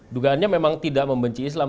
dugaannya memang tidak membenci islam